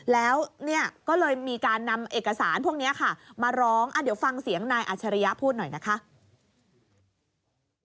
แล้วก็เลยมีการนำเอกสารพวกนี้ค่ะมาร้องเดี๋ยวฟังเสียงนายอัชริยะพูดหน่อยนะคะ